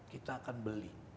kita akan beli